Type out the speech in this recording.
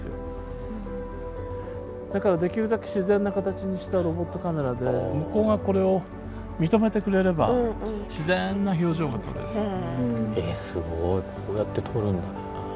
だからできるだけ自然な形にしたロボットカメラで向こうがこれを認めてくれればすごいこうやって撮るんだな。